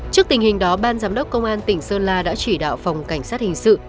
trước tình hình đó ban giám đốc công an tỉnh sơn la đã chỉ đạo phòng cảnh sát hình sự